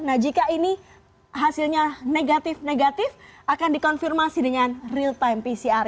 nah jika ini hasilnya negatif negatif akan dikonfirmasi dengan real time pcr